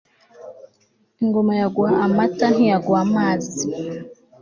ingoma yaguha amata ntiyaguha amazi